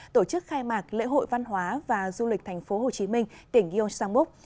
tổ chức khai mạc lễ hội văn hóa và du lịch tp hcm tỉnh yon sangbuk